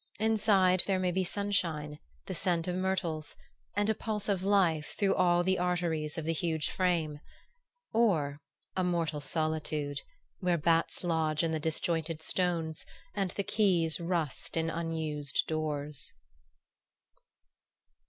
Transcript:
Inside there may be sunshine, the scent of myrtles, and a pulse of life through all the arteries of the huge frame; or a mortal solitude, where bats lodge in the disjointed stones and the keys rust in unused doors....